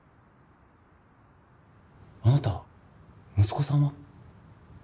あなた息子さんは？